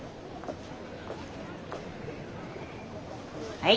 はい。